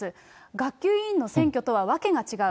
学級委員の選挙とは訳が違う。